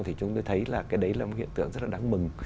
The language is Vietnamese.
thì chúng tôi thấy là cái đấy là một hiện tượng rất là đáng mừng